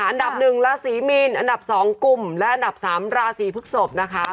อันดับ๑ราศีมีนอันดับ๒กลุ่มและอันดับ๓ราศีพฤกษพนะคะ